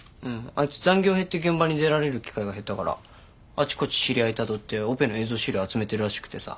あいつ残業減って現場に出られる機会が減ったからあちこち知り合いたどってオペの映像資料集めてるらしくてさ。